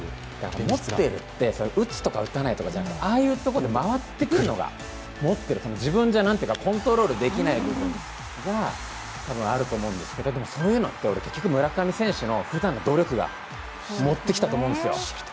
持ってるって打つとか打たないとかじゃなくてああいうところで回ってくるのが持っている、自分じゃコントロールできない部分が、多分あると思うんですけど、そういうのは村上選手のふだんの努力が持ってきたと思うんですよ。